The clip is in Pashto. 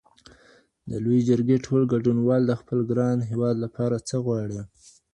د لویې جرګي ټول ګډونوال د خپل ګران هیواد لپاره څه غواړي؟